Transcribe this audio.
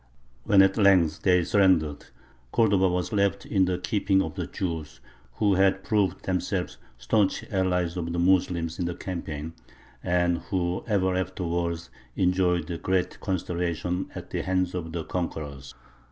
When at length they surrendered, Cordova was left in the keeping of the Jews, who had proved themselves staunch allies of the Moslems in the campaign, and who ever afterwards enjoyed great consideration at the hands of the conquerors.